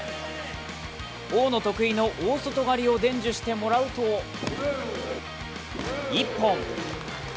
大野得意の大外刈りを伝授してもらうと、一本。